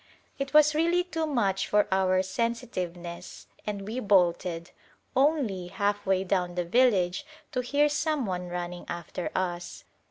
It was really too much for our sensitiveness, and we bolted, only, half way down the village, to hear some one running after us.